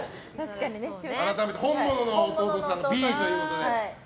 改めて本物の弟さんはＢということで。